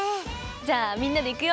じゃあみんなでいくよ。